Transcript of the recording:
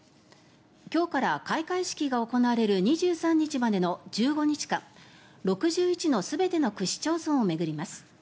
今日から開会式が行われる２３日までの１５日間６１の全ての区市町村を巡ります。